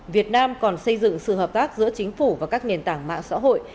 việt nam còn xây dựng sự hợp tác giữa chính phủ và các nền tảng mạng xã hội